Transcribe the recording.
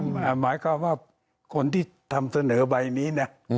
หมายความว่าคนที่ทำเสนอใบนี้นะ